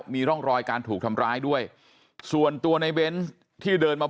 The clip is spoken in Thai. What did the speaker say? มีร่องรอยการถูกทำร้ายด้วยส่วนตัวในเบนส์ที่เดินมา